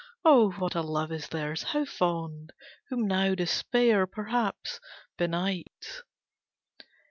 Oh what a love is theirs how fond! Whom now Despair, perhaps, benights.